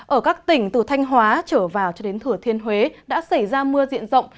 ở các tỉnh từ thanh hóa trở vào cho đến thừa thiên huế đã xảy ra mưa diện rộng